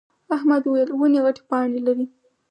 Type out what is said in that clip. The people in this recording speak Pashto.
احمد وويل: ونې غتې پاڼې لري.